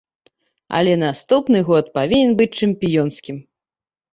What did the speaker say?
Але наступны год павінен быць чэмпіёнскім!